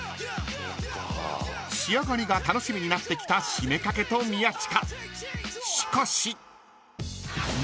［仕上がりが楽しみになってきた七五三掛と宮近］